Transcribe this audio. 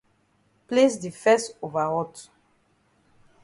Place di fes over hot.